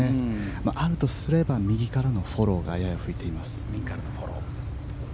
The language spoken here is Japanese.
あるとすれば右からのフォローがやや吹いています。